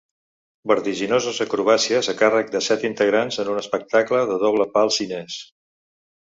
Vertiginoses acrobàcies a càrrec de set integrants en un espectacle de doble pal xinès.